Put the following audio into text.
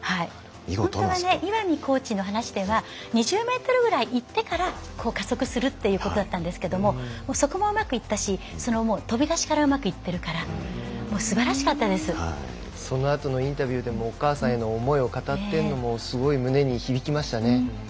本当はコーチの話では２０ｍぐらいいってから加速するということだったんですけどそこもうまくいったし飛び出しからうまくいってるからそのあとのインタビューでもお母さんへの思いを語っているのもすごい胸に響きましたね。